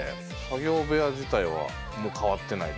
作業部屋自体は変わってない？